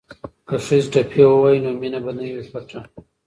که ښځې ټپې ووايي نو مینه به نه وي پټه.